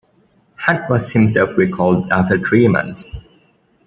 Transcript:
Hunt was himself recalled after three months.